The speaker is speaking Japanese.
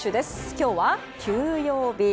今日は休養日。